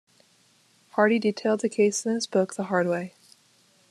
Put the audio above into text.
Hardy detailed the case in his book "The Hard Way".